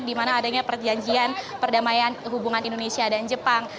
dimana adanya perjanjian perdamaian hubungan indonesia dan jepang